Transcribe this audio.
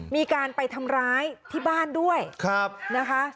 มีการไปทำร้ายที่บ้านด้วยนะคะ